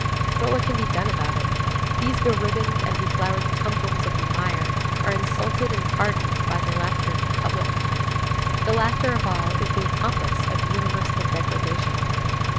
But what can be done about it? These be ribboned and be flowered tumbrils of mire are insulted and pardoned by the laughter of the public. The laughter of all is the accomplice of universal degradation.